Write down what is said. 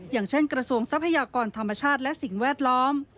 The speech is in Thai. อย่างเช่นกระทรวงทรัพยากรธรรมชาติและสิ่งแวดล้อม